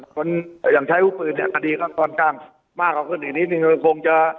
คนอย่างใช้วุฒิปืนเนี่ยคดีก็ค่อนข้างมากกว่าขึ้นอีกนิดนึงก็คงจะ